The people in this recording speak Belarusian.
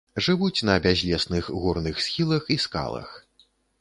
Жывуць на бязлесных горных схілах і скалах.